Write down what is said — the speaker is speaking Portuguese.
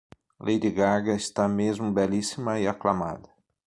Lady Gaga está mesmo belíssima e aclamada